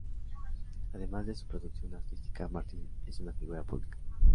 Además de su producción artística, Martin es una figura pública.